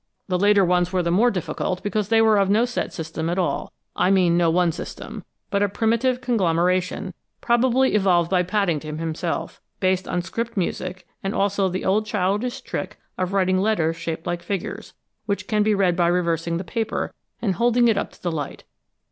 The later ones were the more difficult because they were of no set system at all I mean no one system, but a primitive conglomeration, probably evolved by Paddington himself, based on script music and also the old childish trick of writing letters shaped like figures, which can be read by reversing the paper, and holding it up to the light.